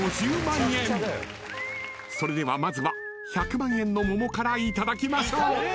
［それではまずは１００万円の桃からいただきましょう］